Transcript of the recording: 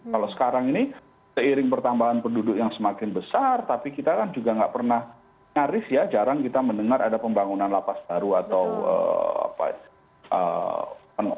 kalau sekarang ini seiring pertambahan penduduk yang semakin besar tapi kita kan juga nggak pernah nyaris ya jarang kita mendengar ada pembangunan lapas baru atau apa